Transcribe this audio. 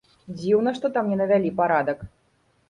Дзіўна, што там не навялі парадак.